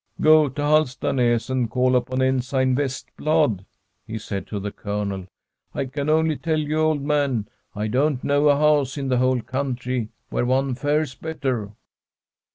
' Go to Halstanas and call upon Ensign Vest blad,' he said to the Colonel. * I can only tell you, old man, I don't know a house in the whole coun try where one fares better.'